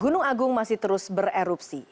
gunung agung masih terus bererupsi